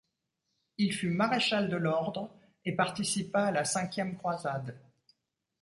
Il fut maréchal de l'Ordre et participa à la cinquième croisade.